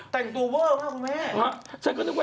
แต่งตัวเวอร์มากคุณแม่